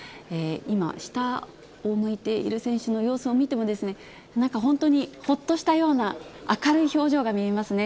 今、下を向いている選手の様子を見ても、なんか本当にほっとしたような、明るい表情が見えますね。